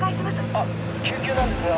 ☎あっ救急なんですが。